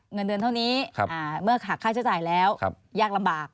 เงินเดือนเท่านี้เมื่อหักค่าใช้จ่ายแล้วยากลำบาก